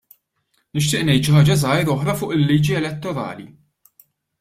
Nixtieq ngħid xi ħaġa żgħira oħra fuq il-liġi elettorali.